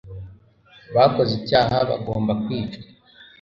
bakoze icyaha bagomba kwicwa